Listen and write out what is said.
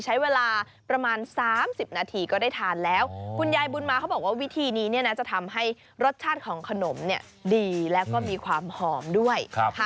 ใช้เวลาประมาณ๓๐นาทีก็ได้ทานแล้วคุณยายบุญมาเขาบอกว่าวิธีนี้เนี่ยนะจะทำให้รสชาติของขนมเนี่ยดีแล้วก็มีความหอมด้วย